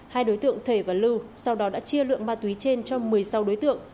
hai đối tượng thể và lưu sau đó đã chia lượng ma túy trên cho một mươi sáu đối tượng